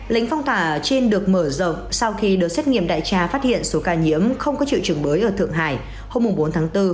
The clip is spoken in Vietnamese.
lệnh phong tỏa trên được mở rộng sau khi được xét nghiệm đại trà phát hiện số ca nhiễm không có triệu chứng mới ở thượng hải hôm bốn tháng bốn